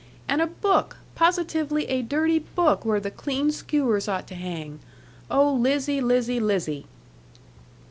And a book, positively a dirty book, where the clean skewers ought to hang! Oh, Lizzie, Lizzie, Lizzie!'